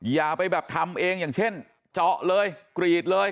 อย่าไปแบบทำเองอย่างเช่นเจาะเลยกรีดเลย